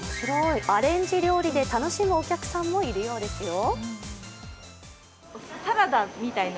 アレンジ料理で楽しむお客さんもいるようですよ。